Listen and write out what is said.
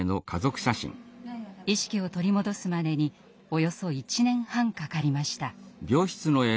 意識を取り戻すまでにおよそ１年半かかりました。